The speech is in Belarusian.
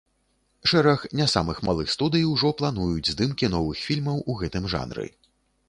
Шэраг не самых малых студый ужо плануюць здымкі новых фільмаў у гэтым жанры.